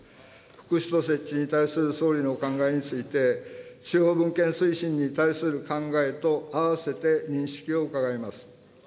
副首都設置に対する総理のお考えについて、地方分権推進に対する考えと併せて認識を伺います。